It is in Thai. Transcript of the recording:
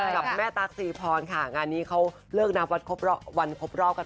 กับแม่ตั๊กซีพรค่ะงานนี้เขาเลิกนับวันคบรอบกันไปนานแล้วนะครับ